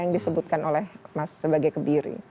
yang disebutkan oleh mas sebagai kebiri